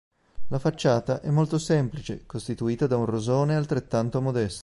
La facciata è molto semplice, costituita da un rosone altrettanto modesto.